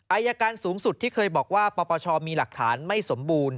อายการสูงสุดที่เคยบอกว่าปปชมีหลักฐานไม่สมบูรณ์